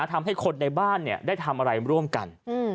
ทำให้คนในบ้านได้ทำอะไรร่วมกัน